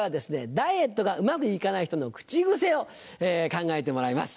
ダイエットがうまく行かない人の口癖を考えてもらいます。